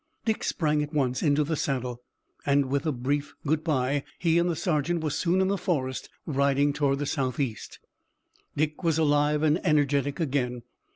Dick sprang at once into the saddle, and with a brief good bye he and the sergeant were soon in the forest riding toward the southeast. Dick was alive and energetic again.